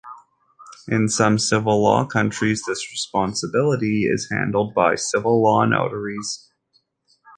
In some civil law countries this responsibility is handled by civil law notaries.